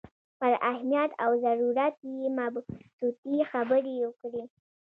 پر اهمیت او ضرورت یې مبسوطې خبرې وکړې.